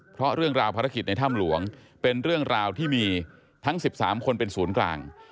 เพราะเรื่องราวภารกิจในถ้ำหลวงเป็นเรื่องราวที่มีทั้ง๑๓คนเป็นศูนย์กลาง